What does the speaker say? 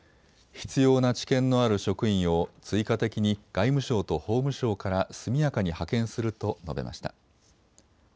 必要な知見のある職員を追加的に外務省と法務省から速やかに派遣すると述べました。